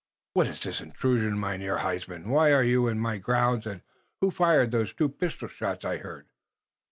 "What is this intrusion, Mynheer Huysman? Why are you in my grounds? And who fired those two pistol shots I heard?"